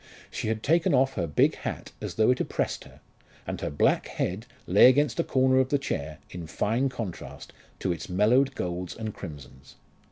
She had taken off her big hat as though it oppressed her, and her black head lay against a corner of the chair in fine contrast to its mellowed golds and crimsons.